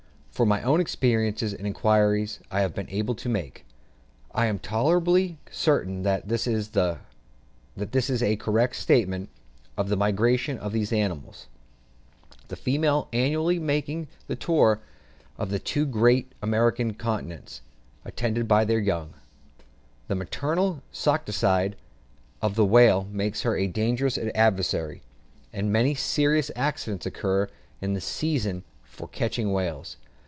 From my own experience and the inquiries I have been enabled to make, I am tolerably certain that this is a correct statement of the migration of these animals, the females annually making the tour of the two great American continents, attended by their young. The "maternal solicitude" of the whale makes her a dangerous adversary, and many serious accidents occur in the season for catching whales.